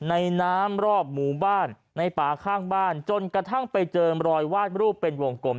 ในน้ำรอบหมู่บ้านในป่าข้างบ้านจนกระทั่งไปเจอรอยวาดรูปเป็นวงกลม